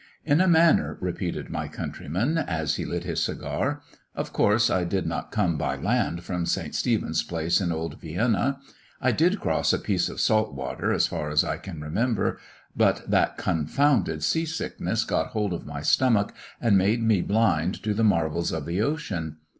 "In a manner," repeated my countryman, as he lit his cigar. "Of course I did not come by land from St. Stephen's Place, in Old Vienna. I did cross a piece of salt water as far as I can remember; but that confounded sea sickness got hold of my stomach, and made me blind to the marvels of the ocean.